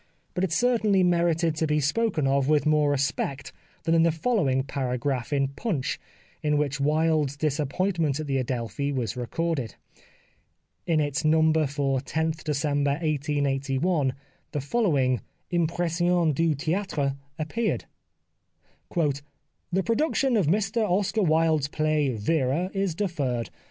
But it certainly merited to be spoken of with more respect than in the following paragraph in Punch, in which Wilde's disappoint ment at the Adelphi was recorded. In its number for loth December 1881 the following "Impressions Du Theatre" appeared: "The production of Mr Oscar Wilde's play ' Vera ' is deferred.